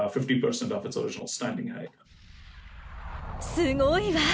すごいわ。